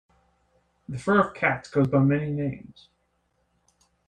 The fur of cats goes by many names.